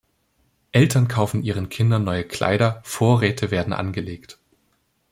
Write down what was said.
Eltern kaufen ihren Kindern neue Kleider, Vorräte werden angelegt.